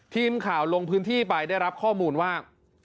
ทีมข่าวลงพื้นที่ไปได้รับข้อมูลว่า